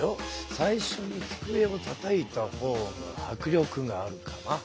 最初につくえをたたいたほうが迫力があるかな？